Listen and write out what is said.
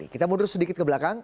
kita mundur sedikit ke belakang